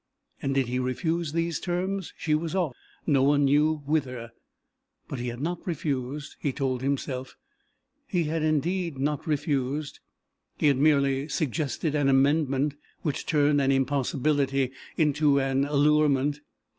And did he refuse these terms, she was off, no one knew whither. But he had not refused, he told himself, he had indeed not refused, he had merely suggested an amendment which turned an impossibility into an allurement.